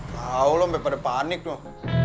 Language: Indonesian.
kau lo sampe pada panik tuh